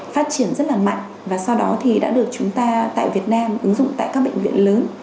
phát triển rất là mạnh và sau đó thì đã được chúng ta tại việt nam ứng dụng tại các bệnh viện lớn